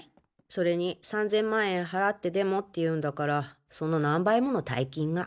それに３千万円払ってでもって言うんだからその何倍もの大金が。